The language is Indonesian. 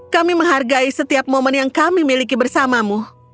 kami menghargai setiap momen yang kami miliki bersamamu